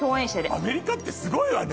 アメリカってすごいわね。